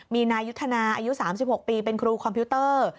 มีนายุทธนาอายุ๓๖ปีเป็นครูคอมพิวเตอร์